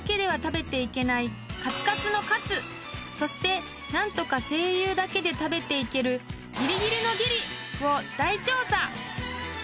［そして何とか声優だけで食べていけるギリギリのギリを大調査！］